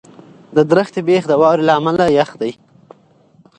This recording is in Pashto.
د ونې بېخ د واورې له امله یخ دی.